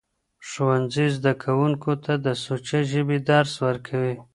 ښوونځي زدهکوونکو ته د سوچه ژبې درس ورکوي.